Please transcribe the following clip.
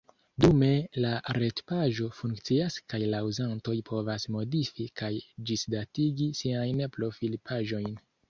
Dume la retpaĝo funkcias kaj la uzantoj povas modifi kaj ĝisdatigi siajn profilpaĝojn.